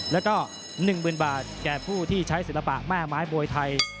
แล้วก็๑๐๐๐บาทแก่ผู้ที่ใช้ศิลปะแม่ไม้มวยไทย